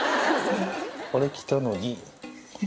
これ着たのに。